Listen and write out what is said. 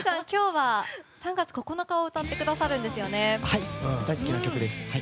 今日は「３月９日」を歌ってくださるんですよね。